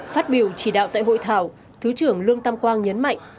phát biểu chỉ đạo tại hội thảo thứ trưởng lương tam quang nhấn mạnh